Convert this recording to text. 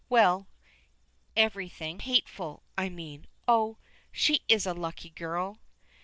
"Well everything hateful, I mean. Oh! she is a lucky girl!"